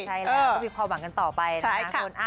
ใช่แล้วก็มีความหวังกันต่อไปนะคะคุณ